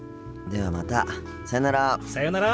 ではまたさよなら。